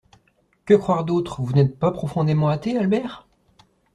Que croire d’autre? Vous n’êtes pas profondément athée, Albert ?